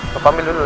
kepamin dulu ya